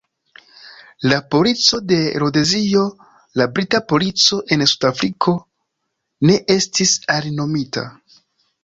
La polico de Rodezio, la Brita Polico en Suda Afriko, ne estis alinomita.